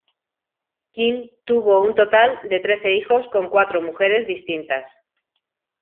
Quinn tuvo un total de trece hijos con cuatro mujeres distintas.